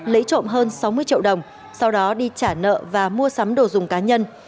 lấy trộm hơn sáu mươi triệu đồng sau đó đi trả nợ và mua sắm đồ dùng cá nhân